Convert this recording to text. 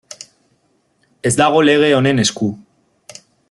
Ez dago lege honen esku.